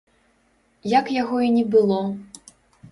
Як яго і не было.